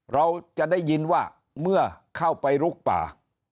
เราจะได้ยินว่าเมื่อเข้าไปลุกป่า